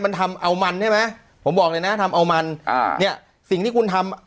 มันทำเอามันใช่ไหมผมบอกเลยนะทำเอามันอ่าเนี้ยสิ่งที่คุณทำ